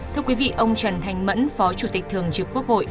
thưa quý vị ông trần thanh mẫn phó chủ tịch thường trực quốc hội